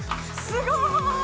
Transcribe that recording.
すごーい！